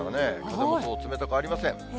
風もそう冷たくありません。